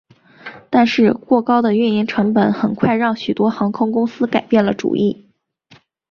但是过高的运营成本很快让许多航空公司改变了主意。